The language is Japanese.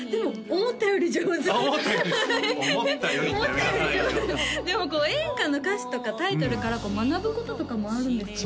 「思ったより」ってやめなさいよでもこう演歌の歌詞とかタイトルから学ぶこととかもあるんですよね